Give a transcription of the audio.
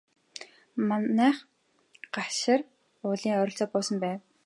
Манайх Галшар уулын ойролцоо буусан байв.